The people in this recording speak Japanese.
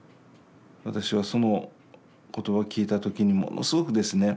私はその言葉を聞いた時にものすごくですね